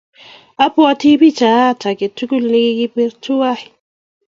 Apwoti pichaiyat ake tukul ne kikipir twai.